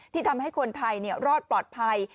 ที่ทำให้คนไทยเนี่ยรอดปลอดภัย